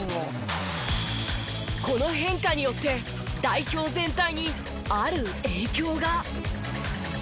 この変化によって代表全体にある影響が。